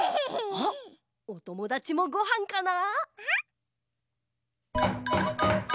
あおともだちもごはんかな？